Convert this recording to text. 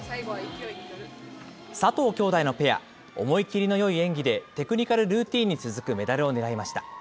佐藤きょうだいのペア、思い切りのよい演技で、テクニカルルーティンに続くメダルをねらいました。